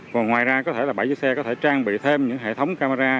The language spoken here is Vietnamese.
còn ngoài ra có thể là bãi giữ xe có thể trang bị thêm những hệ thống camera